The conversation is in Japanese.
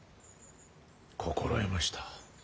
心得ました。